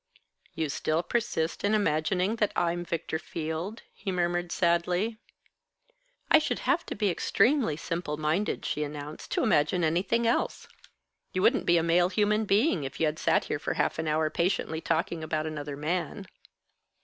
"You still persist in imagining that I'm Victor Field?" he murmured sadly. "I should have to be extremely simple minded," she announced, "to imagine anything else. You wouldn't be a male human being if you had sat here for half an hour patiently talking about another man."